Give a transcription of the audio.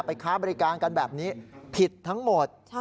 ค้าบริการกันแบบนี้ผิดทั้งหมด